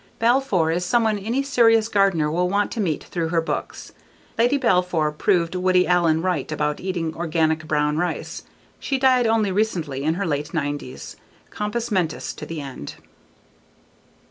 Balfour is someone any serious gardener will want to meet through her books. Lady Balfour proved Woody Allen right about eating organic brown rice; she died only recently in her late 90s, compus mentis to the end.